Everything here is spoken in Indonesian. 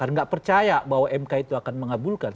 karena tidak percaya bahwa mk itu akan mengabulkan itu